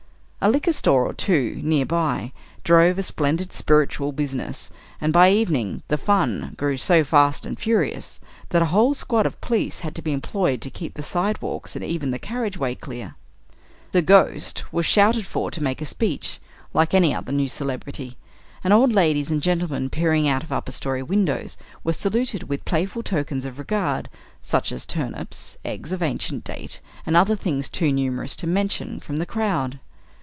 A liquor store or two, near by, drove a splendid "spiritual" business; and by evening "the fun" grew so "fast and furious" that a whole squad of police had to be employed to keep the side walks and even the carriage way clear. The "Ghost" was shouted for to make a speech, like any other new celebrity, and old ladies and gentlemen peering out of upper story windows were saluted with playful tokens of regard, such as turnips, eggs of ancient date, and other things too numerous to mention, from the crowd.